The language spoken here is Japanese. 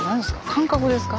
感覚ですか？